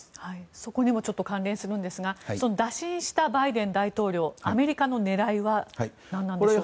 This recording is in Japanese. そこにも関連するんですが打診したバイデン大統領アメリカの狙いは何なのでしょうか。